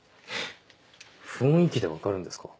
雰囲気で分かるんですか？